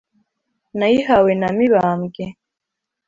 Nayihawe na Mibambwe,